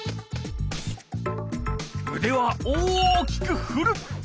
うでは大きくふる。